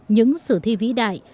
những sử thi vĩ đại